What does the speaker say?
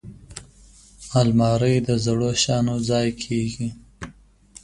الماري د زړو شیانو ځای کېږي